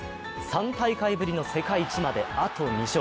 ３大会ぶりの世界一まで、あと２勝。